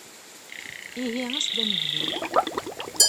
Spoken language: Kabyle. Ihi as-d ad nebdu.